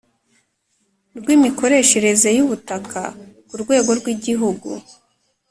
ry imikoreshereze y ubutaka ku rwego rw Igihugu